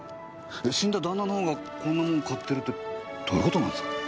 死んだ旦那のほうがこんなもん買ってるってどういう事なんですか？